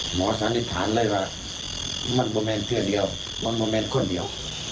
หมอสันนิษฐานเลยว่ามันประมาณเพื่อเดียวมันประมาณคนเดียว